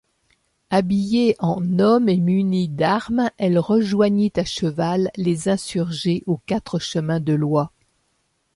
Habillée en homme et munie d’armes, elle rejoignit à cheval les insurgés aux Quatre-Chemins-de-l’Oie.